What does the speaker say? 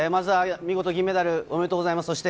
まずは見事、銀メダルおめでとうございます。